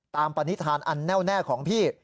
ตามประณิษฐานอันแน่วแน่ของพี่